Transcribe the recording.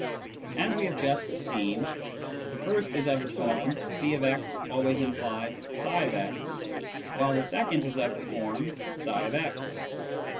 As we have just seen, the first is of the form " <f>x always implies tfix," while the second is of the form " tfix."